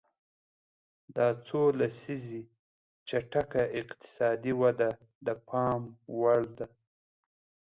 دا څو لسیزې چټکه اقتصادي وده د پام وړ ده.